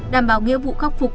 đảm bảo nghĩa vụ khắc phục